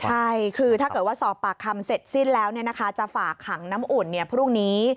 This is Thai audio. ใช่คือถ้าเกิดว่าสอบปากคำเสร็จสิ้นแล้วจะฝากขังน้ำอุ่นพรุ่งนี้